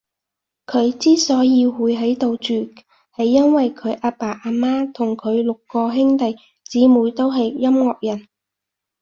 佢之所以會喺度住，係因為佢阿爸阿媽同佢個六兄弟姐妹都係音樂人